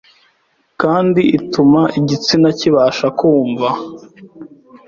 kandi ituma igitsina kibasha kumva